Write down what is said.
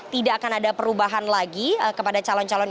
tidak akan ada perubahan lagi kepada calon calon